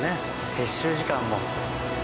撤収時間も。